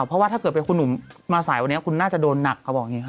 เพราะว่าถ้าเกิดเป็นคุณหนุ่มมาสายวันนี้คุณน่าจะโดนหนักเขาบอกอย่างนี้ค่ะ